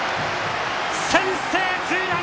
先制ツーラン！